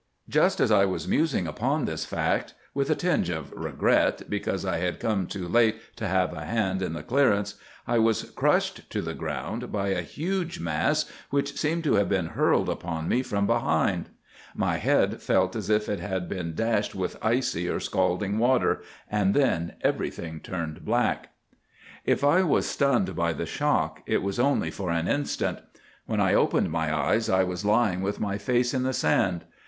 "'Just as I was musing upon this fact, with a tinge of regret because I had come too late to have a hand in the clearance, I was crushed to the ground by a huge mass which seemed to have been hurled upon me from behind. My head felt as if it had been dashed with icy or scalding water, and then everything turned black. "'If I was stunned by the shock, it was only for an instant. When I opened my eyes I was lying with my face in the sand.